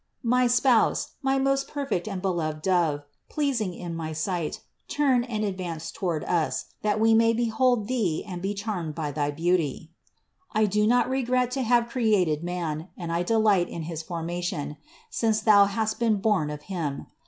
"My Spouse, my most perfect and beloved Dove, pleasing in my sight. 80 CITY OF GOD turn and advance toward Us, that We may behold thee and be charmed by thy beauty. I do not regret to have created man and I delight in his formation, since thou hast been born of him.